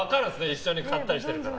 一緒に買ったりしてるから。